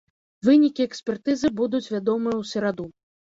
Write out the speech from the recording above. Вынікі экспертызы будуць вядомыя ў сераду.